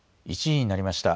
１時になりました。